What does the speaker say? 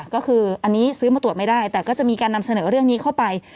ก็คืออันนี้ซื้อมาตรวจไม่ได้แต่ก็จะมีการนำเสนอเรื่องนี้เข้าไป